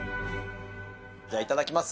じゃあ、いただきます。